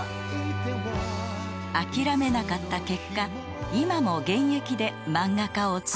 ［諦めなかった結果今も現役で漫画家を続けているのです］